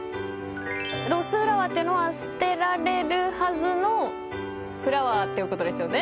ロスフラワーっていうのは捨てられるはずのフラワーってことですよね。